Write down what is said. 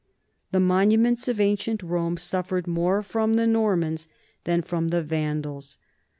The monuments of ancient Rome suffered more from the Normans than from the Van dals.